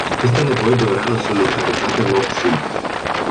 Este nevoie de o reală solidaritate nord-sud.